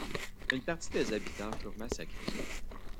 Une partie des habitants furent massacrés.